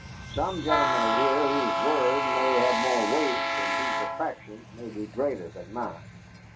Some gentlemen are here whose word may have more weight and whose attractions may be greater than mine."